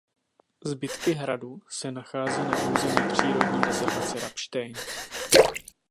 Zbytky hradu se nachází na území přírodní rezervace Rabštejn.